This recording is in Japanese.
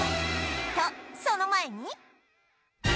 とその前に